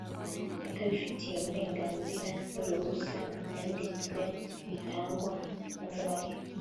Atabifitiye uburenganzira n’uruhusa byanditse bitangwa na nyirayo